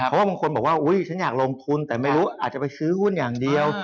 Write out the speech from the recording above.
เพราะว่าบางคนบอกว่าอุ๊ยฉันอยากลงทุนแต่ไม่รู้อาจจะไปซื้อหุ้นอย่างเดียว